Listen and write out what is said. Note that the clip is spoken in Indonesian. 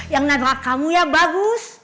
yang nakal kamu ya bagus